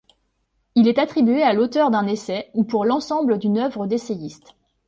Il est attribué à l'auteur d'un essai, ou pour l'ensemble d'une œuvre d'essayiste.